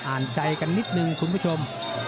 อ่านใจกันนิดนึงคุณผู้ชม